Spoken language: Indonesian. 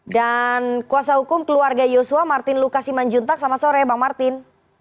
dan kuasa hukum keluarga yusua martin lukasiman juntak selamat sore bang martin